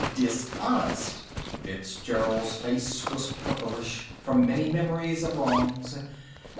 "Dishonest!" Fitzgerald's face was purplish, from many memories of wrongs.